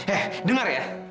eh dengar ya